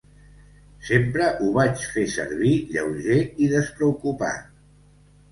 Sempre ho vaig fer servir lleuger i despreocupat.